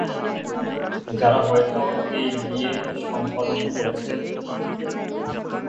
যারা হয়তো এই বিয়ে সম্পাদন করেছে।